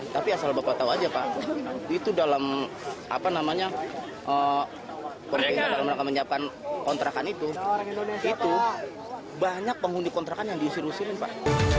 tapi asal bapak tahu saja pak itu dalam penyelidikan kontrakan itu banyak penghuni kontrakan yang diusir usirin pak